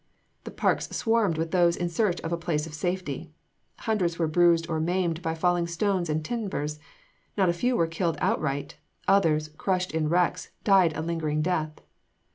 The parks swarmed with those in search of a place of safety. Hundreds were bruised or maimed by falling stones and timbers; not a few were killed outright; others, crushed in the wrecks, died a lingering death.